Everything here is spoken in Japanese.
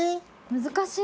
難しい。